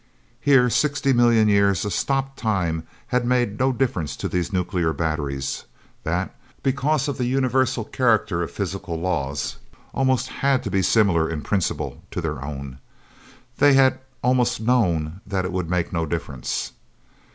Here, sixty million years of stopped time had made no difference to these nuclear batteries, that, because of the universal character of physical laws, almost had to be similar in principle to their own. They had almost known that it would make no difference.